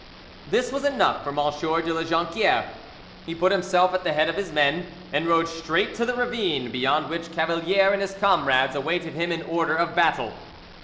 This was enough for M. de La Jonquiere: he put himself at the head of his men and rode straight to the ravine, beyond which Cavalier and his comrades awaited him in order of battle.